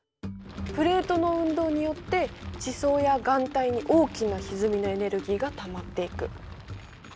プレートの運動によって地層や岩体に大きなひずみのエネルギーが溜まっていく。